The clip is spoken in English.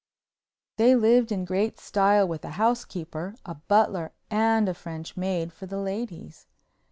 They lived in great style with a housekeeper, a butler and a French maid for the ladies.